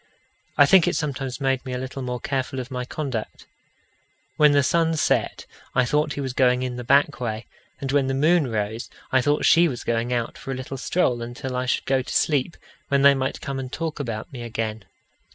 I think it sometimes made me a little more careful of my conduct. When the sun set, I thought he was going in the back way; and when the moon rose, I thought she was going out for a little stroll until I should go to sleep, when they might come and talk about me again.